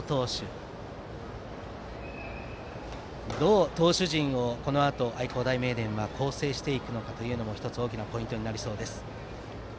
どう投手陣を愛工大名電は構成していくかというのも１つ大きなポイントになりそうです。